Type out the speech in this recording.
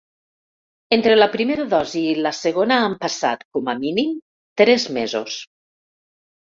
Entre la primera dosi i la segona han passat, com a mínim, tres mesos.